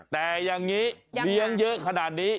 แต่อย่างนี้เลี้ยงเยอะขนาดนี้